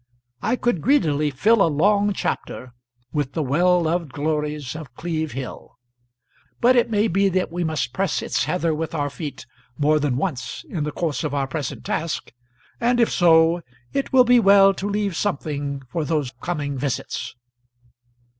I could greedily fill a long chapter with the well loved glories of Cleeve Hill; but it may be that we must press its heather with our feet more than once in the course of our present task, and if so, it will be well to leave something for those coming visits.